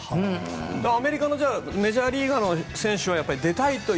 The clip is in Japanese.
アメリカのメジャーリーガーの選手は出たいと。